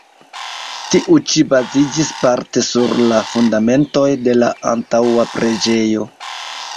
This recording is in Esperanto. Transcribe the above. Tiu ĉi baziĝis parte sur la fundamentoj de la antaŭa preĝejo.